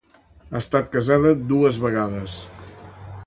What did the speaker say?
Ha estat casada dos vegades.